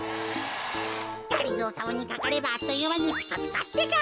がりぞーさまにかかればあっというまにピカピカってか。